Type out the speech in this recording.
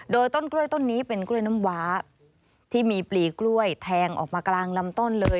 โดยต้นกล้วยต้นนี้เป็นกล้วยน้ำว้าที่มีปลีกล้วยแทงออกมากลางลำต้นเลย